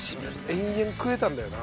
延々食えたんだよな